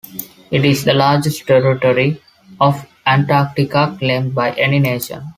It is the largest territory of Antarctica claimed by any nation.